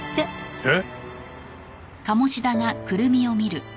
えっ？